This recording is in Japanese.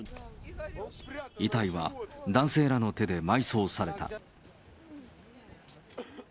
遺体は男性らの手で埋葬された。